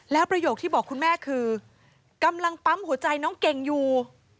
แล้วประโยคที่บอกคุณแม่คือกำลังปั๊มหัวใจน้องเก่งอยู่